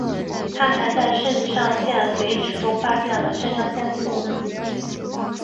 他还在肾上腺髓质中发现了肾上腺素。